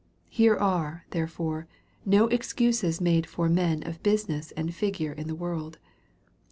Here are^ therefore^ no excuses made for men of business and figure in the world.